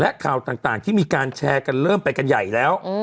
และข่าวต่างที่มีการแชร์กันเริ่มไปกันใหญ่แล้ว